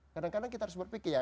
kadang kadang kita harus berpikir ya